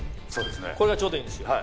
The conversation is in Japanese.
これがちょうどいいんですよ。